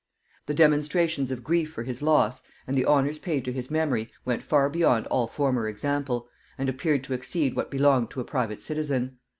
The demonstrations of grief for his loss, and the honors paid to his memory, went far beyond all former example, and appeared to exceed what belonged to a private citizen.